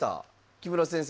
木村先生